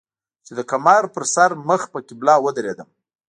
چې د کمر پۀ سر مخ پۀ قبله ودرېدم